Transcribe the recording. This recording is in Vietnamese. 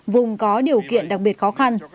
vùng có điều kiện đặc biệt khó khăn